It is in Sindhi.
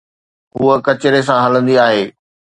هوءَ ڪچري سان هلندي آهي.